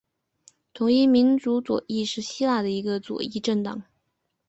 统一民主左翼是希腊的一个左翼政党。